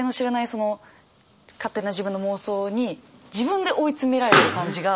その勝手な自分の妄想に自分で追い詰められてる感じが。